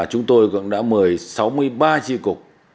chúng tôi cũng đã mời sáu mươi ba tri cục